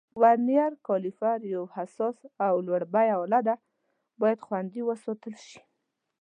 ورنیر کالیپر یو حساس او لوړه بیه آله ده، باید خوندي وساتل شي.